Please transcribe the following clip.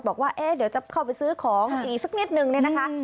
บอกว่าเดี๋ยวจะเข้าไปซื้อของอีกสักนิดนึงเนี่ยนะคะ